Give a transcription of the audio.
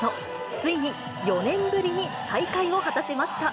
ついに、４年ぶりに再開を果たしました。